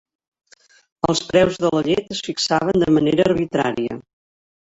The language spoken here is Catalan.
Els preus de la llet es fixaven de manera arbitrària.